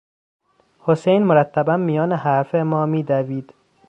حسین مرتبا میان حرف ما میدوید.